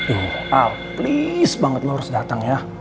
ih al please banget lo harus dateng ya